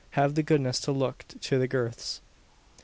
Have the goodness to look to the girths!"